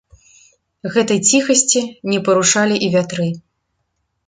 Гэтай ціхасці не парушалі і вятры.